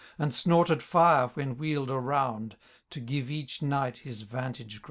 And snorted fire, when wheel'd around. To give each knight his vantage groimd.